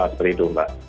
seperti itu mbak